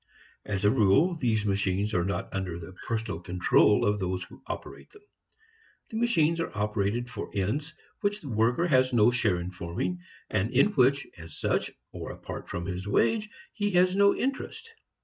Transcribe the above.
As a rule, these machines are not under the personal control of those who operate them. The machines are operated for ends which the worker has no share in forming and in which as such, or apart from his wage, he has no interest.